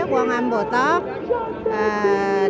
với quân âm bồ tát